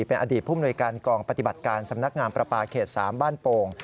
เป็นอดีตผู้มนวยการกองปฏิบัติการสำนักงานประปาเขต๓บ้านโป่ง